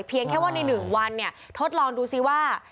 เพียงแค่ว่าในหนึ่งวันเนี่ยทดลองดูซิว่า